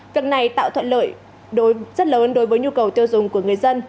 việc này tạo thuận lợi rất lớn đối với nhu cầu tiêu dùng của người dân